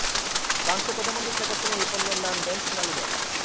বাংলাদেশের প্রধানমন্ত্রী শেখ হাসিনা এই পণ্যের নাম দেন সোনালী ব্যাগ।